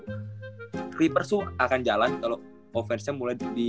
clippers tuh akan jalan kalo offense nya